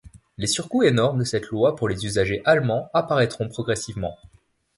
Les surcoûts énormes de cette loi pour les usagers allemands apparaîtront progressivement.